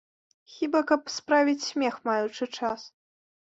Хіба каб справіць смех, маючы час.